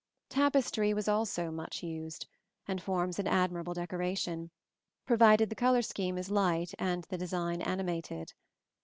Tapestry was also much used, and forms an admirable decoration, provided the color scheme is light and the design animated.